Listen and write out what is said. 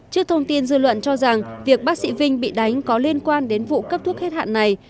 trước thông tin dư luận cho rằng việc bác sĩ vinh bị đánh có liên quan đến vụ cấp thuốc hết hạn này